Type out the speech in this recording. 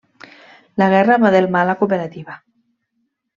La guerra va delmar la cooperativa.